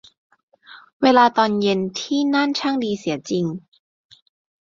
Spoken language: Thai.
เวลาตอนเย็นที่นั่นช่างดีเสียจริง